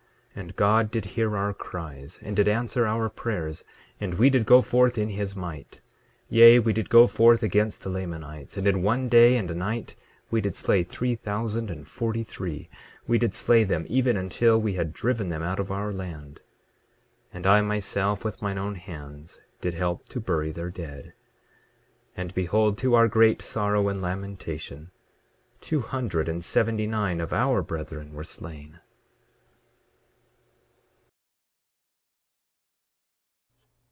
9:18 And God did hear our cries and did answer our prayers; and we did go forth in his might; yea, we did go forth against the Lamanites, and in one day and a night we did slay three thousand and forty three; we did slay them even until we had driven them out of our land. 9:19 And I, myself, with mine own hands, did help to bury their dead. And behold, to our great sorrow and lamentation, two hundred and seventy nine of our brethren were slain.